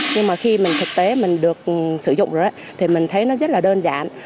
nhưng mà khi mình thực tế mình được sử dụng rồi thì mình thấy nó rất là đơn giản